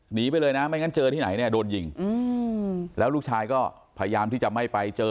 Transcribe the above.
หนีไปเลยนะไม่งั้นเจอที่ไหนเนี่ยโดนยิงแล้วลูกชายก็พยายามที่จะไม่ไปเจอ